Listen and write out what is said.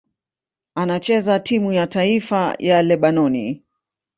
Anachezea timu ya taifa ya Lebanoni.